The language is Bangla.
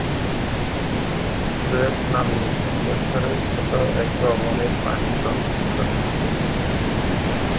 গ্রেস নাম্নী তিন বছরের ছোট এক রমণীর পাণিগ্রহণ করেন তিনি।